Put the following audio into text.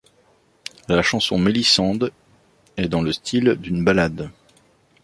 La chanson Mélisande est dans le style d'une ballade.